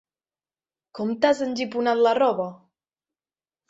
Com t'has engiponat la roba?